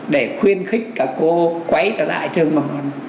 để khuyên khích các cô quay trở lại trường mầm non